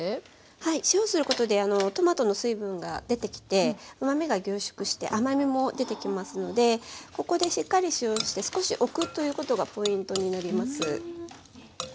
はい塩をすることでトマトの水分が出てきてうまみが凝縮して甘みも出てきますのでここでしっかり塩をして少しおくということがポイントになります。